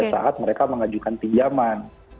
saat mereka mengajukan pinjaman